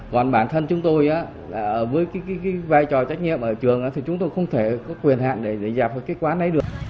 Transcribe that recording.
còn bản thân chúng tôi với cái vai trò trách nhiệm ở trường thì chúng tôi không thể có quyền hạn để giảm được cái quán này được